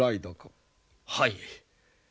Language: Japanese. はい。